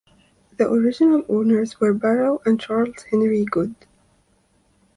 The original owners were Barrow and Charles Henry Goode.